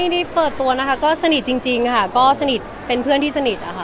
ได้เปิดตัวนะคะก็สนิทจริงค่ะก็สนิทเป็นเพื่อนที่สนิทอะค่ะ